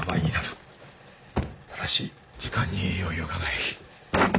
ただし時間に余裕がない。